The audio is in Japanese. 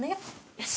よし！